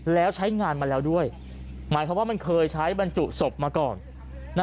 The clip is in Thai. แล้วใช้งานมาแล้วด้วยหมายความว่ามันเคยใช้บรรจุศพมาก่อน